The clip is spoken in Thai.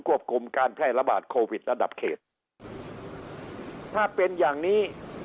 ควบคุมการแพร่ระบาดโควิดระดับเขตถ้าเป็นอย่างนี้